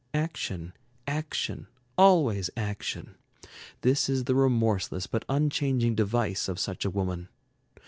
Action, action, always action, this is the remorseless but unchanging device of such a woman.